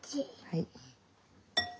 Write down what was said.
はい。